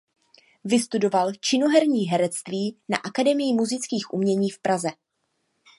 Vystudoval činoherní herectví na Akademii múzických umění v Praze.